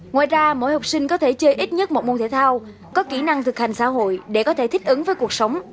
ngoài ra mỗi học sinh có thể chơi ít nhất một môn thể thao có kỹ năng thực hành xã hội để có thể thích ứng với cuộc sống